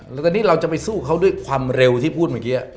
แล้วตอนนี้เราจะไปสู้เขาด้วยความเร็วที่พูดเมื่อกี้